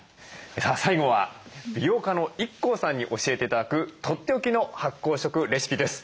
さあ最後は美容家のＩＫＫＯさんに教えて頂くとっておきの発酵食レシピです。